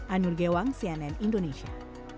anur gewang cnn indonesia